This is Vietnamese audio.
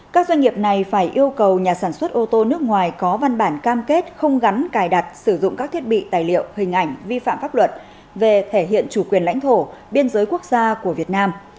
các doanh nghiệp này phải yêu cầu nhà sản xuất ô tô nước ngoài có văn bản cam kết không gắn cài đặt sử dụng các thiết bị tài liệu hình ảnh vi phạm pháp luật về thể hiện chủ quyền lãnh thổ biên giới quốc gia của việt nam